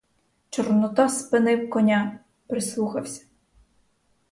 Чорнота спинив коня, прислухався.